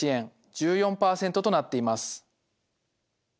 １４％となっています。